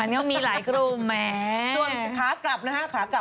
มันก็มีหลายกลุ่มแม้